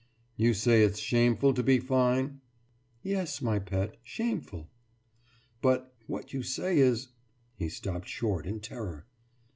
»You say it's shameful to be fine?« »Yes, my pet, shameful.« »But what you say is....« He stopped short in terror.